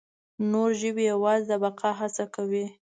نور ژوي یواځې د بقا هڅه کوي.